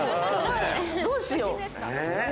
どうしよう。